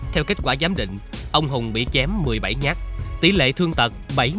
theo kết quả giám định ông hùng bị chém một mươi bảy nhát tỷ lệ thương tật bảy mươi